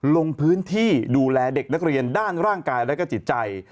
ลงพื้นที่ดูแลเด็กนักเรียนด้านร่างกายและก็จิตใจ